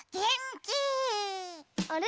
あれ？